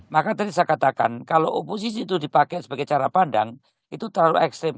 maka tadi saya katakan kalau oposisi itu dipakai sebagai cara pandang itu terlalu ekstrim